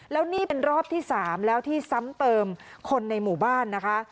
แล้วนี่เป็นรอบที่๓แล้วที่ซ้ำเติมคนในหมู่บ้านนะคะ